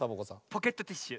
ポケットティッシュ。